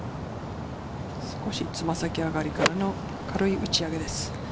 少し、つま先上がりからの軽い打ち上げです。